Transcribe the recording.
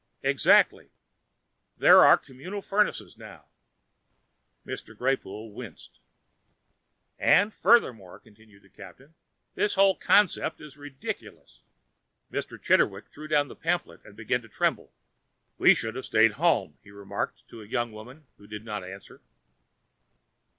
"Exactly. There are communal furnaces now." Mr. Greypoole winced. "And furthermore," continued the captain, "this whole concept is ridiculous." Mr. Chitterwick threw down the pamphlet and began to tremble. "We should have stayed home," he remarked to a young woman who did not answer.